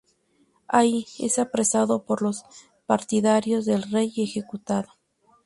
Allí, es apresado por los partidarios del rey y ejecutado.